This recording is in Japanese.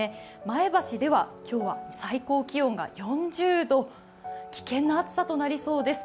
前橋では今日は最高気温が４０度、危険な暑さとなりそうです。